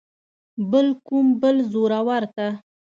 بل کوم بل زورور ته.